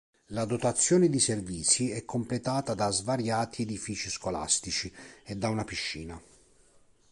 La dotazione di servizi è completata da svariati edifici scolastici e da una piscina.